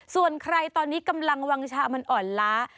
ส่วนใครตอนนี้กำลังวางชามันอ่อนล้า